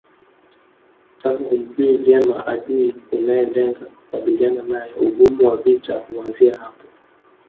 Kama humjui vyema adui unayelenga kukabiliana naye ugumu wa vita huanzia hapo